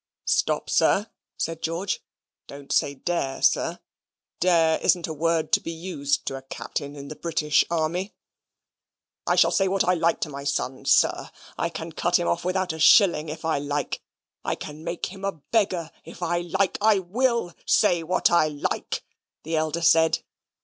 "Stop, sir," says George, "don't say dare, sir. Dare isn't a word to be used to a Captain in the British Army." "I shall say what I like to my son, sir. I can cut him off with a shilling if I like. I can make him a beggar if I like. I WILL say what I like," the elder said.